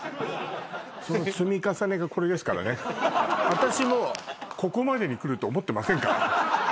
私もここまでにくると思ってませんから。